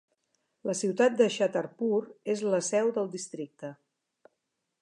La ciutat de Chhatarpur és la seu del districte.